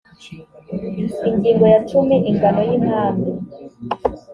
ingingo ya cumi ingano y intambi